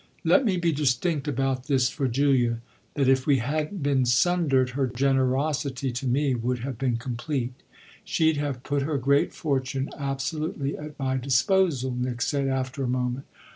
"Let me be distinct about this for Julia: that if we hadn't been sundered her generosity to me would have been complete she'd have put her great fortune absolutely at my disposal," Nick said after a moment.